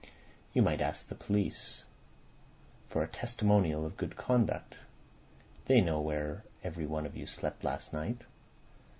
"You might ask the police for a testimonial of good conduct. They know where every one of you slept last night.